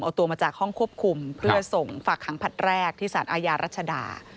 เอาตัวมาจากห้องควบคุมเพื่อส่งฝากขังผลัดแรกที่สารอาญารัชดา